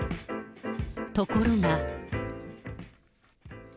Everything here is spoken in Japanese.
ところが。